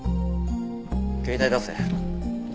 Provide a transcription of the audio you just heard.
携帯出せ。